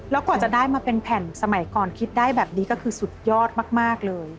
แล้วกว่าจะได้มาเป็นแผ่นสมัยก่อนคิดได้แบบนี้ก็คือสุดยอดมากเลย